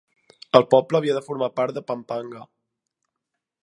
El poble havia de formar part de Pampanga.